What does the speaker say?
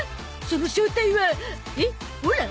その正体はえっオラ？